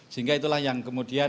sehingga itulah yang kemudian